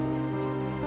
terima kasih war